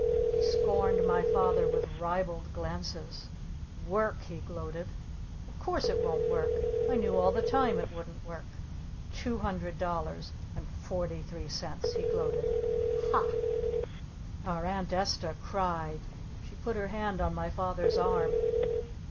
He scorned my Father with ribald glances! "Work?" he gloated. "Of course it won't work! I knew all the time it wouldn't work! Two hundred dollars! And forty three cents?" he gloated. "H a!" Our Aunt Esta cried! She put her hand on my Father's arm.